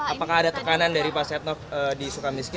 apakah ada tekanan dari pak setnop di sukamiski